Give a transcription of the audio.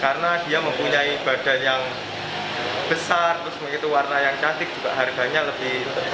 karena dia mempunyai badan yang besar dan warna yang cantik juga harganya lebih tergolong terjangkau